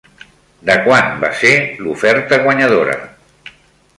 De quant va ser l'oferta guanyadora?